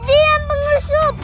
dia yang pengusup